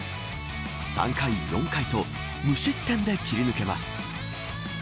３回、４回と無失点で切り抜けます。